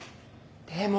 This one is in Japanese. でも！